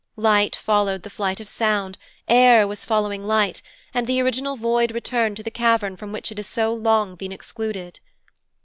Light followed the flight of sound, air was following light, and the original void returned to the cavern from which it has so long been excluded.